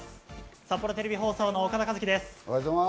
札幌テレビ放送の岡田和樹です。